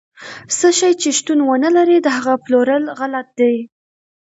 څه شی چې شتون ونه لري، د هغه پلورل غلط دي.